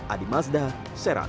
adi mazda serang